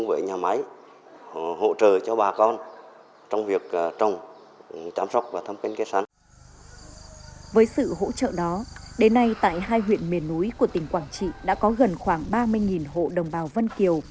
với sự hỗ trợ đó đến nay tại hai huyện miền núi của tỉnh quảng trị đã có gần khoảng ba mươi hộ đồng bào vân kiều